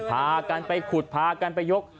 พากันไปขุดพากันไปยก